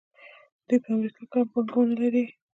دوی په امریکا کې هم پانګونه لري.